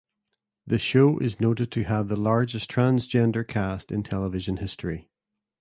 The show is noted to have the largest transgender cast in television history.